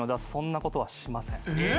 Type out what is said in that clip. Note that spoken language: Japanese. えっ！？